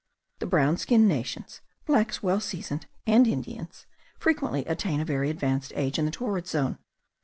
The brown skinned nations, blacks well seasoned, and Indians, frequently attain a very advanced age in the torrid zone.